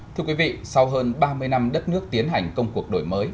thưa quý vị sau hơn ba mươi năm đất nước tiến hành công cuộc đổi mới